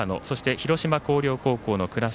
広島・広陵高校の倉重。